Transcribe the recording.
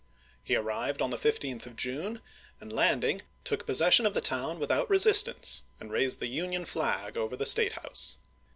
He 1861. arrived on the 15th of June, and landing, took possession of the town without resistance, and raised the Union flag over the State house.